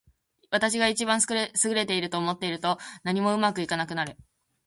私が一番優れていると思っていると、何もうまくいかなくなる。